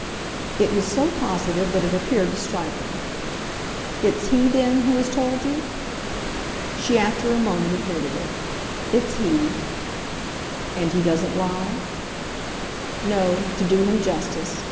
It was so positive that it appeared to strike him. "It's he then who has told you?" She after a moment admitted it. "It's he." "And he doesn't lie?" "No to do him justice.